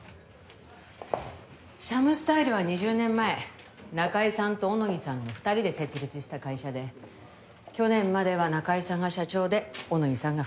シャムスタイルは２０年前中井さんと小野木さんの２人で設立した会社で去年までは中井さんが社長で小野木さんが副社長でした。